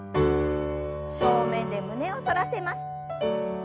正面で胸を反らせます。